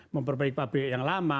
memperbaiki pabrik yang lama